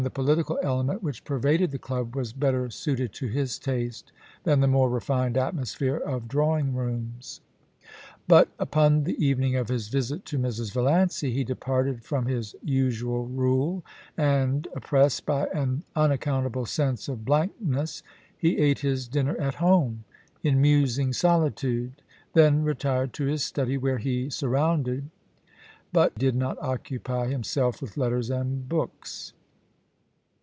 los political element which pervaded the club, was better suited to his taste than the more refined atmosphere of drawing rooms. But, upon the evening of his visit to Mrs. Valiancy, he departed from his usual rule, and, oppressed by an unac countable sense of blankness, he ate his dinner at home in musing solitude, then retired to his study, where he sur rounded, but did not occupy, himself with letters and books.